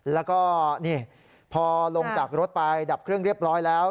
แล้วก็นี่พอลงจากรถไปดับเครื่องเรียบร้อยแล้ว